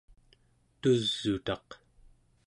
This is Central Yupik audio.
tus'utaq